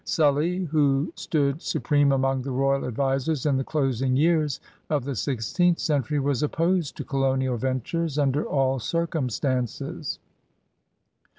Sully» who stood supreme among the royal advisers in the closing years of the sixteenth century, was opposed to colonial ventures under all circumstances.